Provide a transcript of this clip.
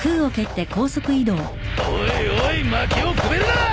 おいおいまきをくべるなぁ！